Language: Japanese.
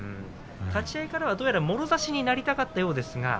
立ち合いから、どうやらもろ差しになりかったようです。